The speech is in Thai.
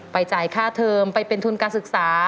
จ่ายค่าเทิมไปเป็นทุนการศึกษา